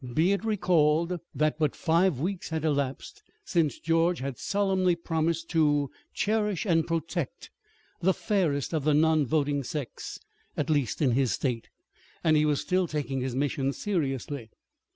Be it recalled that but five weeks had elapsed since George had solemnly promised to cherish and protect the fairest of the non voting sex at least in his State and he was still taking his mission seriously.